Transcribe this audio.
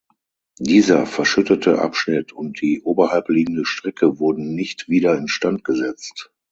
Dieser verschüttete Abschnitt und die oberhalb liegende Strecke wurden nicht wieder in Stand gesetzt.